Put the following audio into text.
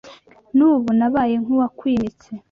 N’ubu nabaye nk’uwakwimitse